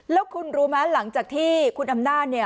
แล้วคุณรู้ไหมหลังจากที่คุณน้ำนาฬ